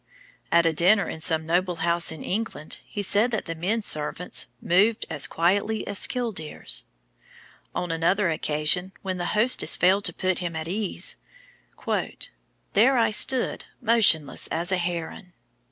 At a dinner in some noble house in England he said that the men servants "moved as quietly as killdeers." On another occasion, when the hostess failed to put him at his ease: "There I stood, motionless as a Heron."